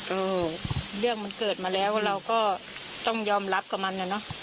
เออเรื่องมันเกิดมาแล้วเราก็ต้องยอมรับกับมันนะเนอะ